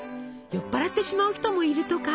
酔っ払ってしまう人もいるとか。